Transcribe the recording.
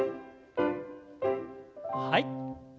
はい。